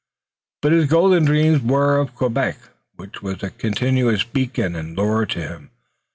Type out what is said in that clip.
But his golden dreams were of Quebec, which was a continuous beacon and lure to him.